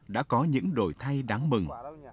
đã có những đổi thay đáng mừng